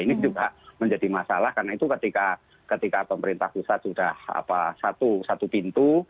ini juga menjadi masalah karena itu ketika pemerintah pusat sudah satu pintu